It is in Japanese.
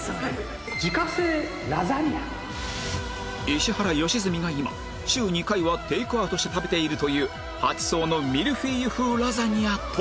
石原良純が今週２回はテイクアウトして食べているという８層のミルフィーユ風ラザニアとは？